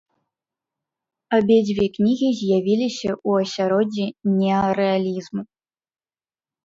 Абедзве кнігі з'явіліся ў асяроддзі неарэалізму.